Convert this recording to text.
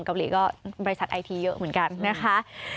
เกาหลีก็บริษัทไอทีเยอะเหมือนกันนะคะ